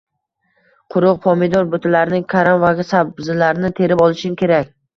quruq pomidor butalarini, karam va sabzilarni terib olishing kerak.